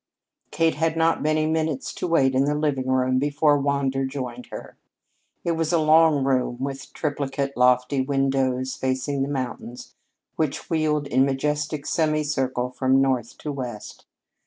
Kate had not many minutes to wait in the living room before Wander joined her. It was a long room, with triplicate, lofty windows facing the mountains which wheeled in majestic semicircle from north to west.